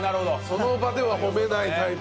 その場では褒めないタイプ。